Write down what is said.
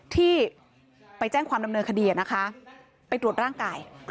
ที่ไปแจ้งความดำเนินคดีนะคะไปตรวจร่างกาย